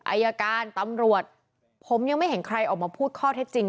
อายการตำรวจผมยังไม่เห็นใครออกมาพูดข้อเท็จจริง